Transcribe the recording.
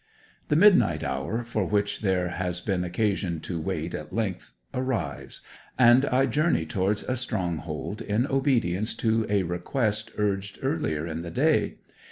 The midnight hour for which there has been occasion to wait at length arrives, and I journey towards the stronghold in obedience to a request urged earlier in the day.